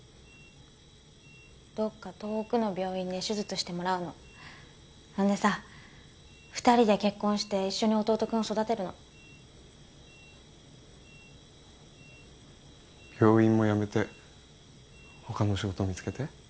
どっか遠くの病院で手術してもらうのそんでさ二人で結婚して一緒に弟君を育てるの病院もやめてほかの仕事を見つけて？